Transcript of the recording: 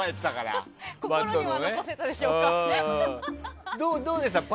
心には残せたでしょうか。